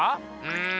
うん。